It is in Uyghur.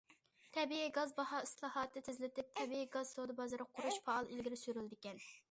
تەبىئىي گاز باھا ئىسلاھاتى تېزلىتىپ، تەبىئىي گاز سودا بازىرى قۇرۇش پائال ئىلگىرى سۈرۈلىدىكەن.